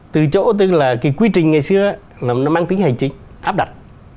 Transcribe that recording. từ chỗ tức là cái quy trình ngày xưa nó mang tính hành chính áp đặt